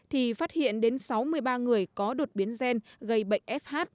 thì phát hiện đến sáu mươi ba người có đột biến gen gây bệnh fh